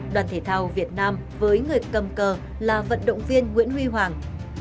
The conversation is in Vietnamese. đoàn thể thao việt nam với người cầm cờ là vận động viên nguyễn huy hoàng